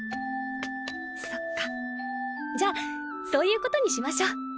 そっかじゃそういうことにしましょ。